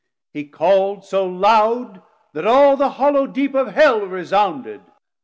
He call'd so loud, that all the hollow Deep Of Hell resounded.